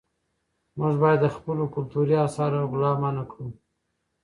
موږ باید د خپلو کلتوري اثارو غلا منعه کړو.